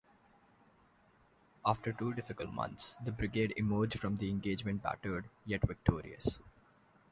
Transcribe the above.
After two difficult months, the brigade emerged from the engagement battered, yet victorious.